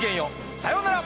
さようなら！